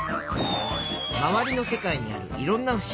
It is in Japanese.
まわりの世界にあるいろんなふしぎ。